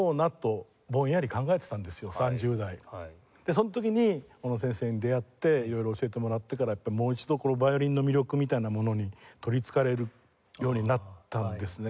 その時に小野先生に出会って色々教えてもらってからもう一度ヴァイオリンの魅力みたいなものに取り憑かれるようになったんですね。